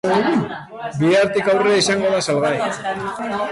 Bihartik aurrera izango da salgai.